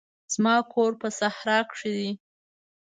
زما کور په صحرا کښي دی.